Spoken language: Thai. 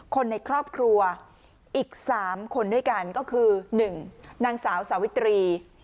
คนในครอบครัวอีก๓คนด้วยกันก็คือ๑นางสาวสาวิตรี